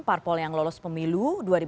parpol yang lolos pemilu dua ribu sembilan belas